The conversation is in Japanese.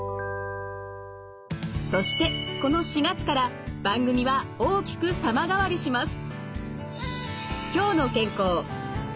そしてこの４月から番組は大きく様変わりします。